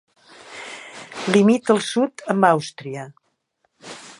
Limita al sud amb Àustria.